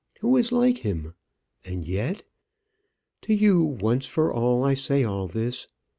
Who is like him? And yet . To you, once for all, I say all this.